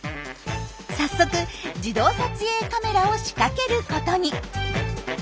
早速自動撮影カメラを仕掛けることに。